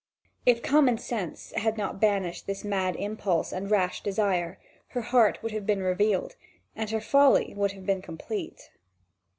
If common sense had not banished this mad impulse and rash desire, her heart would have been revealed and her folly would have been complete.